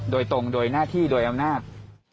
โดยตรงโดยหน้าที่โดยอำนาจ